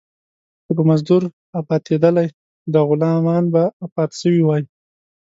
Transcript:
که په مزدور ابآتيدلاى ، ده غلامان به ابات سوي واى.